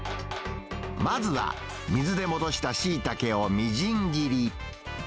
まずは、水で戻したシイタケをみじん切り。